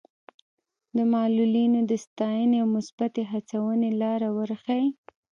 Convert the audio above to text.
د معلولینو د ستاینې او مثبتې هڅونې لاره ورښيي.